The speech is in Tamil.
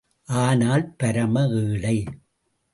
ஆனால் பரம ஏழை.